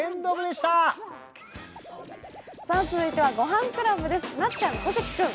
続いてはごはんクラブです。